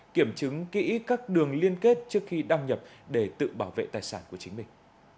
kiểm chứng kỹ các đường liên kết trước khi đăng nhập để tự bảo vệ tài sản của chính mình